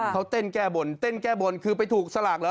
เขาเต้นแก้บนเต้นแก้บนคือไปถูกสลากเหรอ